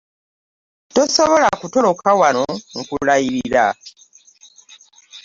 Tosobola kutoloka wano nkulayirira.